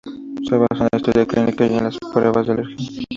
Se basa en la historia clínica y en las pruebas de alergia.